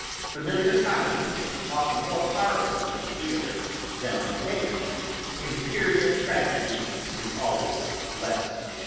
Familiar comedy is often more powerful in the theatre, than on the page; imperial tragedy is always less.